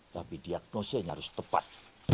tapi diagnosanya harus tepat